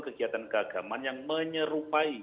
kegiatan keagaman yang menyerupai